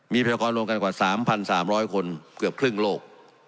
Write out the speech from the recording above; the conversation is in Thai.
มีพยากรรวมกันกว่า๓๓๐๐คนเกือบครึ่งโลก